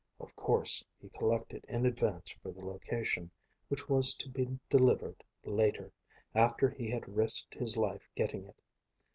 Of course he collected in advance for the location, which was to be delivered later, after he had risked his life getting it.